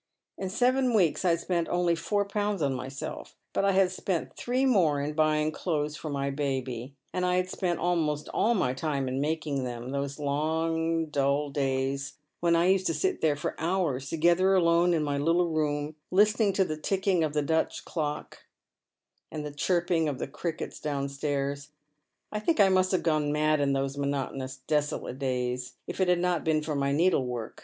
In feeven weeks I had spent only four pounds on myself, but I had spent three more in buying clothes for my baby, and I had spent almost all my time in making them — those long drll days when I used to sit for hours together alone in my little room listening to the ticking of the Dutch clock, and the chirping of the crickets downstairs. I think I must have gone mad in those monotonous desolate days, if it had not been for my needlework.